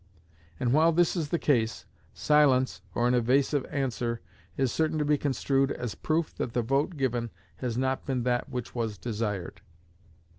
And while this is the case, silence or an evasive answer is certain to be construed as proof that the vote given has not been that which was desired.